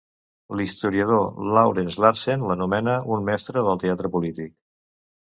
L'historiador Lawrence Larsen l'anomena "un mestre del teatre polític".